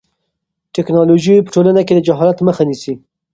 ټیکنالوژي په ټولنه کې د جهالت مخه نیسي.